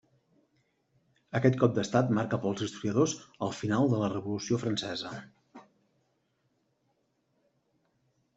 Aquest cop d'estat marca per als historiadors el final de la Revolució francesa.